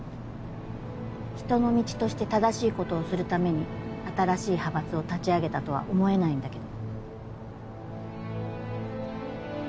人の道として正しい事をするために新しい派閥を立ち上げたとは思えないんだけど。